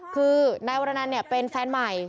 คือนายวรนันเนี่ยเป็นแฟนใหม่